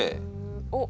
おっ。